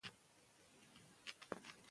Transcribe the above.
دوی غوښتل چي پر منځنۍ اسیا کنټرول ولري.